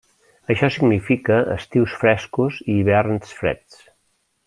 Això significa estius frescos i hiverns freds.